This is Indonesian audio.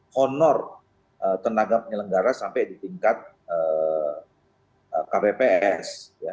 honor tenaga penyelenggara sampai di tingkat kpps